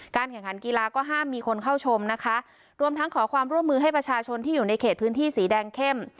แข่งขันกีฬาก็ห้ามมีคนเข้าชมนะคะรวมทั้งขอความร่วมมือให้ประชาชนที่อยู่ในเขตพื้นที่สีแดงเข้ม